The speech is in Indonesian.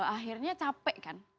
akhirnya capek kan